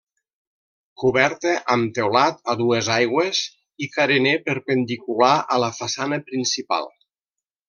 Coberta amb teulat a dues aigües i carener perpendicular a la façana principal.